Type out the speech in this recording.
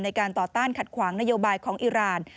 การต่อต้านขัดขวางนโยบายของอิราณ